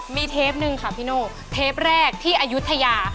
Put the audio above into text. มีเทปนึงค่ะพี่โน่เทปแรกที่อายุทยา